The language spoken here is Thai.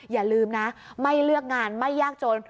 อย่าลืมนะไม่เลือกงานไม่ยากจน